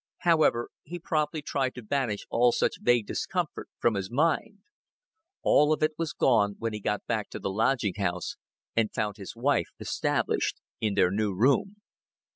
However, he promptly tried to banish all such vague discomfort from his mind. All of it was gone when he got back to the lodging house, and found his wife established in their new room.